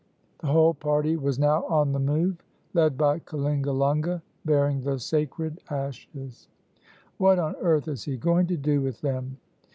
The whole party was now on the move, led by Kalingalunga, bearing the sacred ashes. "What on earth is he going to do with them?"